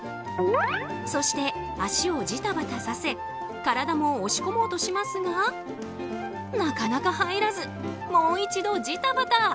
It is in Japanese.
そして、足をじたばたさせ体も押し込もうとしますがなかなか入らずもう一度じたばた。